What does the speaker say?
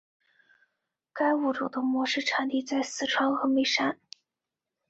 该物种的模式产地在四川峨眉山。